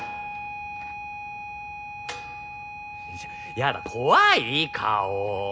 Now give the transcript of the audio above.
やだ怖い顔。